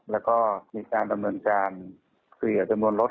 แล้วก็มีการดำเนินการเคลียร์จำนวนรถ